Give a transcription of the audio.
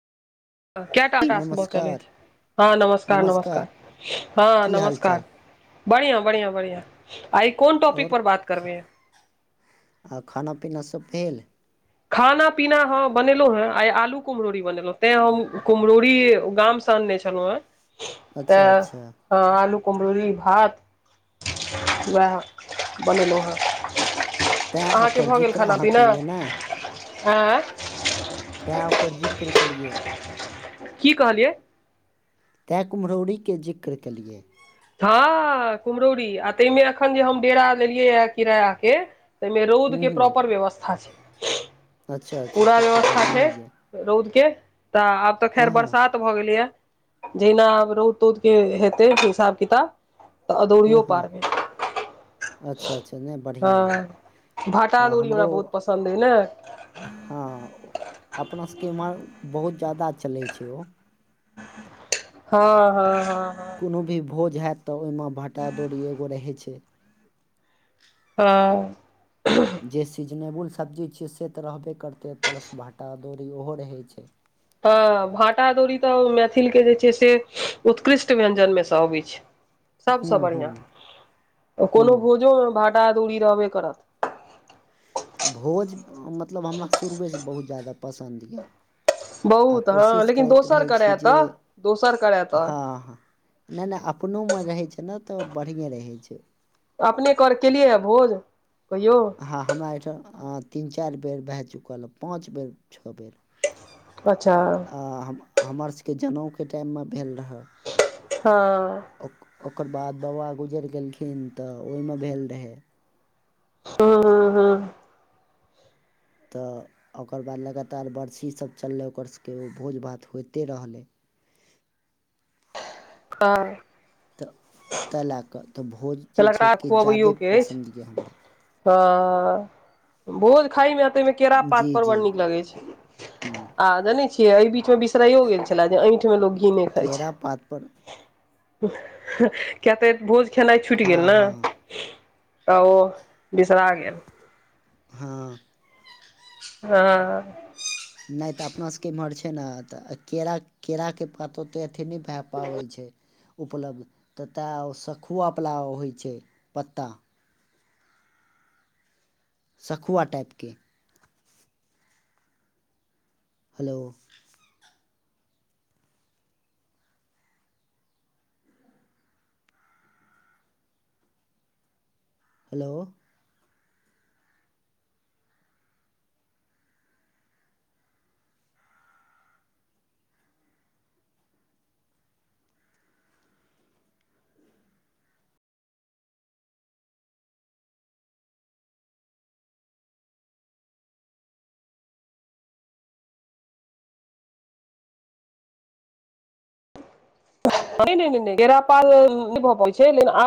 केऽ टा टास्क बचल नमस्कार अइछ। हँ नमस्कार, नमस्कार हँ की हाल नमस्कार। चाल बढ़िया -बढ़िया- बढ़िया आय कोन टॉपिक आओर पर बात करबेैय। आ खाना -पीना सब भेल। खाना - पीना ह बनेलौ हें, आय आलू कुम्हरौरी बनेलौ तें हम कुम्हरौरी गाम से अनने छेलौ हें। त अच्छा अच्छा हँ आलू कुम्हरोरी भात वएह बनेलौ हेँ। तैँ अहाँके ओकर भ गेल जिक्र खाना अहाँ -पीना। केलियै ने एँ। तैँ ओकर जिक्र केलियै। की कहलियै। तैँ कुम्हरौरी के जिक्र केलियै। हँ कुम्हरौरी तैयमे एखन जे हम डेरा लेलियैया किरायाके तैय मे रौद हूँ के हूँ प्रोपर व्यवस्था छैय। अच्छा अच्छा तब तऽ बढ़िएँ यए [unintelligible] रौद के त आब त खैर हँ हँ बरसात भ गेलैया जहिना आब रौद- तौद के हेतय हिसाब किताब तऽ अदौड़ियो हँ हँ पारबै। अच्छा अच्छा नहि बढ़िएँ हँ यए भाटा आ अदौरी हमरो हमरा बहुत पसंन्द अइ ने। हँ अपना सबके एम्हर बहुत ज्यादा चलय छैय ओ। हँ- हँ- हँ-हँ। कोनो भी भोज हैत त ओयमे भाटा-अदौरी एगो रहय छैय। ह। जे सीजनेबुल सब्जी छियै से त रहबे करतै प्लस भाटा-अदौरी ओहो रहय छैय। हँ भांटा-अदौरी त मैथिलके जे छैय से उत्कृष्ट व्यंजनमे स अबय छैय। हूँ सबसँ हूँ बढ़ियां, हूँ कोनो भोजोमे भाटा-अदौरी रहबे करत। भोज मतलब हमरा शुरुएसँ बहुत ज्यादा पसंन्द यऽ। आ बहुत हँ कोशिश लेकिन करैत दोसर रहय छी करय जे तऽ दोसर करय तऽ हँ- हँ नय- नय अपनोमे रहय छैय ने त बढ़ियें रहय छैय। अपने घर केलियै ये भोज कहियौ। ह हमरा एहिठाम तीन -चाइर बेर भए चुकल पाँच बेर, छ बेर। अच्छा। आ हम -हमर सबके जनउके टायममे भेल रहे। हँ। ओक- ओकर बाद बाबा गुजैर गेलखिन त ओयमे भेल रहय। हँ- हँ- हँ। त ओकर बाद लगातार बरसी सब चललै ओकर सबके ओ भोज -भात होइते रहलै। [unintelligible] तऽ तैय लए कऽ तऽ भोज तऽ चीज छै, लगता कि ज्यादे पसंन्द यऽ हमरा। अअ भोज खाय मे [unintelligible] आते मे केरा पात जी पर बड़ जी नीक लगै छै, ह्म आ जानै छियै एहि बीच मे बिसरायो गेल छेला ऐैठ उहो लोक किने खाय केरा पातपर छैय किया तऽ भोज खेनाय छुइट हँ गेल न? हँ तऽ ओ बिसरा गेल। हँ हँ नैय तऽ अपना सबके इम्हर छै, ने तऽ के -केराक के पातो ते अथी नैय भए पाबै छै। उपलब्ध तऽ तै शखुवा वाला होय छैय पत्ता सखुआ टाइपके हेलो ऽ ऽ हेलो ऽ ऽ नै- नै- नै -नै केेरापाल नै भ पबैय छैय छै लेकिन आ